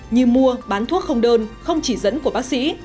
như mua bán thuốc không đơn không chỉ dẫn của bác sĩ